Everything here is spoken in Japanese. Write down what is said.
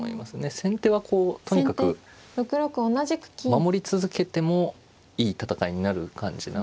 先手はこうとにかく守り続けてもいい戦いになる感じなので。